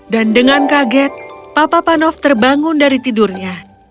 dan dengan kaget papa panov terbangun dari tidurnya